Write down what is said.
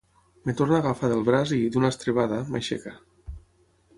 Em torna a agafar del braç i, d'una estrebada, m'aixeca.